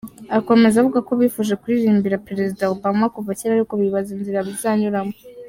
Akomeza avuga ko bifuje kuririmbira Perezida Obama kuva kera ariko bibaza inzira bizanyuramo.